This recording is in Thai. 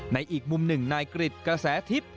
อีกมุมหนึ่งนายกริจกระแสทิพย์